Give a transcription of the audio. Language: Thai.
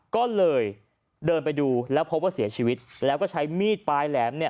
ก็เลยเดินไปดูแล้วพบว่าเสียชีวิตแล้วก็ใช้มีดปลายแหลมเนี่ย